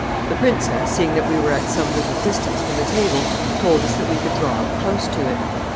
The princess, seeing that we were at some little distance from the table, told us that we could draw up close to it.